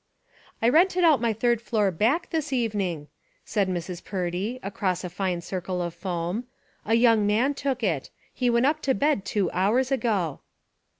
"I rented out my third floor, back, this even ing," said Mrs. Purdy, across a fine circle of foam. "A young man took it. He went up to bed two hours ago."